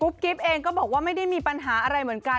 กิ๊บเองก็บอกว่าไม่ได้มีปัญหาอะไรเหมือนกัน